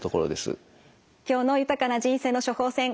今日の「豊かな人生の処方せん」